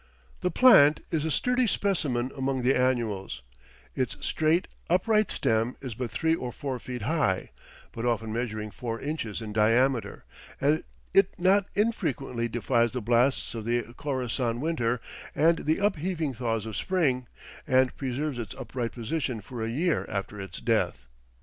The plant is a sturdy specimen among the annuals: its straight, upright stem is but three or four feet high, but often measuring four inches in diameter, and it not infrequently defies the blasts of the Khorassan winter and the upheaving thaws of spring, and preserves its upright position for a year after its death.